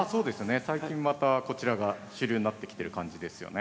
最近またこちらが主流になってきてる感じですよね。